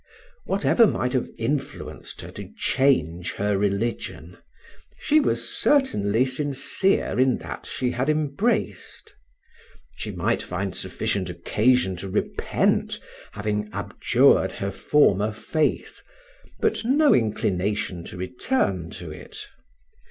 Whatever might have influenced her to change her religion, she was certainly sincere in that she had embraced; she might find sufficient occasion to repent having abjured her former faith, but no inclination to return to it.